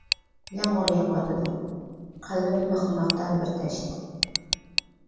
يامغۇر يىغىۋاتىدۇ، قەلبىمدە بىخلىماقتا بىر دەشت!